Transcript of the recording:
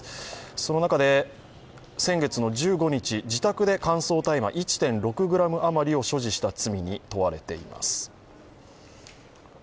その中で先月の１５日、自宅で乾燥大麻１．６ｇ余りを所持した罪に問われています。